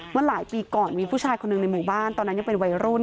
เมื่อหลายปีก่อนมีผู้ชายคนหนึ่งในหมู่บ้านตอนนั้นยังเป็นวัยรุ่น